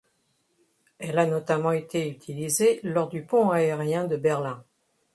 Elle a notamment été utilisée lors du Pont aérien de Berlin.